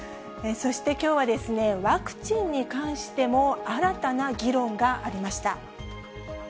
そしてきょうは、ワクチンに関しても新たな議論がありました。